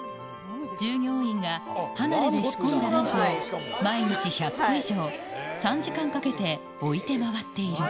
従業員が離れで仕込んだランプを毎日１００個以上、３時間かけて置いて回っている。